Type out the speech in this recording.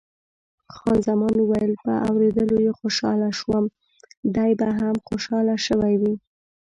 خان زمان وویل، په اورېدلو یې خوشاله شوم، دی به هم خوشاله شوی وي.